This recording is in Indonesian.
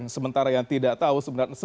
sementara yang tidak tahu